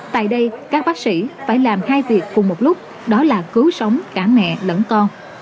tại đây các bác sĩ phải làm hai việc cùng một lúc đó là cứu sống cả mẹ lẫn con